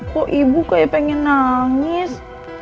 kok ibu kayak pengen nangis